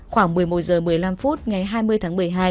khoảng một mươi một h một mươi năm phút ngày hai mươi tháng một mươi hai